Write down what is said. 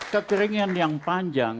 kekeringan yang panjang